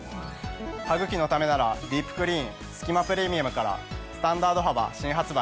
「歯ぐきのためならディープクリーンすき間プレミアム」からスタンダード幅新発売。